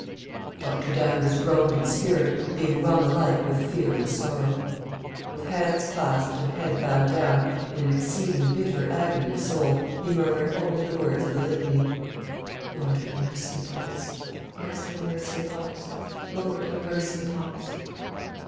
Dr. Danvers groaned in spirit, being wrung alike with fear and sorrow. With hands clasped, and head bowed down, in an exceeding bitter agony of soul, he murmured only the words of the Litany "Lord, have mercy upon us; Christ, have mercy upon us; Lord, have mercy upon us."